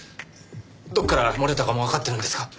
どこから漏れたかもわかっているんですか？